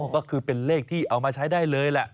ก็คือเป็นเลขที่เอามาใช้ได้เลยแหละ